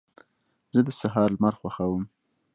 زه د سهار لمر خوښوم.